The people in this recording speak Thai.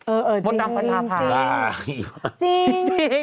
เออจริงก็ดำกันทาพาลอ้าวอีกมาก